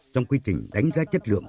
trong quy trình đánh giá chất lượng